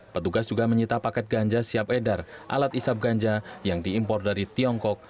petugas juga menyita paket ganja siap edar alat isap ganja yang diimpor dari tiongkok